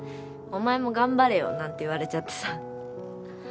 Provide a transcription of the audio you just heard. お前も頑張れよなんて言われちゃってさ。